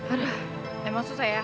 aduh emang susah ya